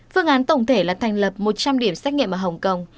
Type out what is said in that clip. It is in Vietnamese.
phương án tổng thể là thành lập một trăm linh điểm xét nghiệm ở hồng kông